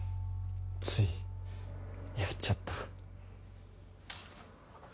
ついやっちゃった。